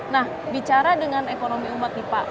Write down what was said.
nah bicara dengan ekonomi umat nih pak